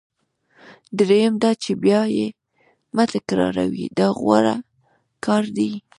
دریم دا چې بیا یې مه تکراروئ دا غوره کار دی.